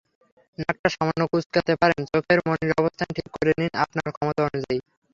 নাকটা সামান্য কুঁচকাতে পারেন, চোখের মণির অবস্থান ঠিক করে নিন আপনার ক্ষমতা অনুযায়ী।